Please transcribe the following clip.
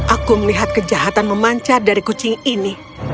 aku melihat kejahatan memancar dari kucing ini